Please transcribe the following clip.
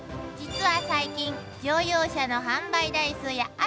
「実は最近乗用車の販売台数や」